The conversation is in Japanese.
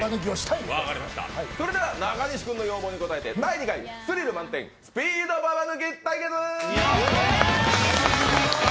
それでは中西君の要望に応えて第２回スリル満点スピードババ抜き対決！